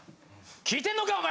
聞いてんのかお前！！」